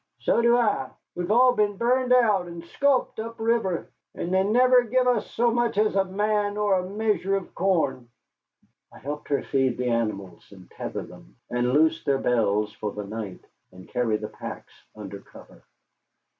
"So do I. We've all been burned out and sculped up river and they never give us so much as a man or a measure of corn." I helped her feed the animals, and tether them, and loose their bells for the night, and carry the packs under cover.